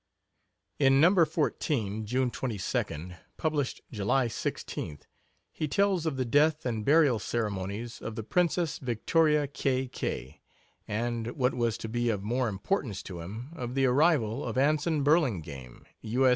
In No. 14, June 22d, published July 16th, he tells of the death and burial ceremonies of the Princess Victoria K. K., and, what was to be of more importance to him, of the arrival of Anson Burlingame, U. S.